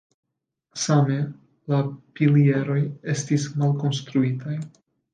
Same la pilieroj estis malkonstruitaj.